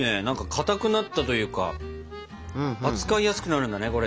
何かかたくなったというか扱いやすくなるんだね